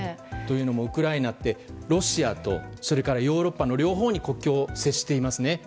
というのもウクライナってロシアとヨーロッパの両方に国境が接していますね。